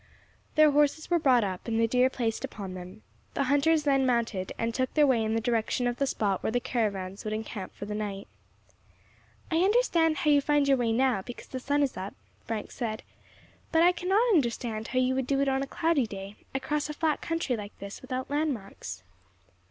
Their horses were brought up, and the deer placed upon them. The hunters then mounted, and took their way in the direction of the spot where the caravans would encamp for the night. "I understand how you find your way now, because the sun is up," Frank said, "but I cannot understand how you would do it on a cloudy day, across a flat country like this, without landmarks."